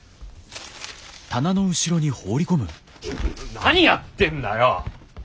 何やってんだよ！